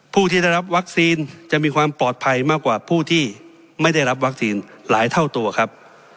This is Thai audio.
ผู้ที่ได้รับวัคซีนจะมีความปลอดภัยมากกว่าผู้ที่ไม่ได้รับวัคซีนหลายเท่าตัวครับ